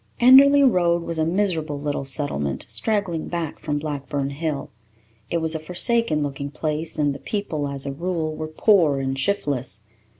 Enderly Road was a miserable little settlement straggling back from Blackburn Hill. It was a forsaken looking place, and the people, as a rule, were poor and shiftless.